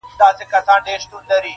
ماته شجره یې د نژاد او نصب مه راوړئ,